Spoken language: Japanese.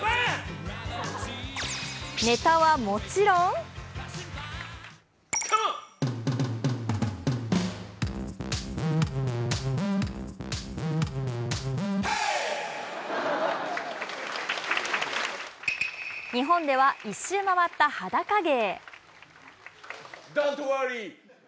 ネタはもちろん日本では一周回った裸芸。